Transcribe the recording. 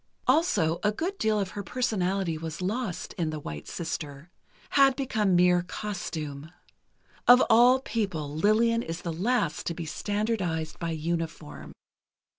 Also, a good deal of her personality was lost in "The White Sister"—had become mere costume. Of all people, Lillian is the last to be standardized by uniform.